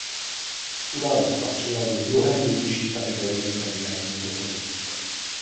Událost patřila do druhé nejvyšší kategorie Premier Mandatory.